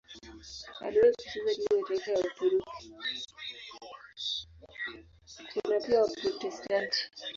Kuna pia Waprotestanti.